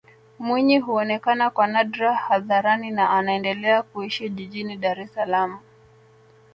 Mwinyi huonekana kwa nadra hadharani na anaendelea kuishi jijini Dar es Salaam